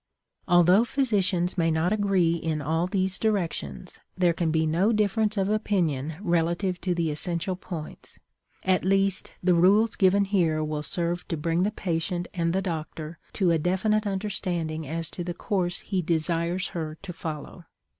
Although physicians may not agree in all these directions, there can be no difference of opinion relative to the essential points. At least, the rules given here will serve to bring the patient and the doctor to a definite understanding as to the course he desires her to follow.